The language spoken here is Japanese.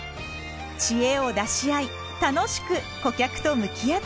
知恵を出し合い楽しく顧客と向き合っていく。